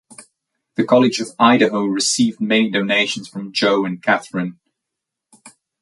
The College of Idaho received many donations from Joe and Kathryn.